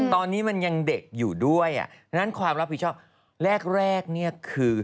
ตอนนี้มันยังเด็กอยู่ด้วยอ่ะดังนั้นความรับผิดชอบแรกเนี่ยคือ